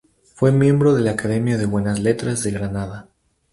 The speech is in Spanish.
Fue miembro de la Academia de Buenas Letras de Granada.